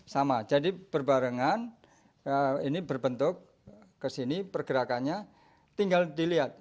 sama jadi berbarengan ini berbentuk kesini pergerakannya tinggal dilihat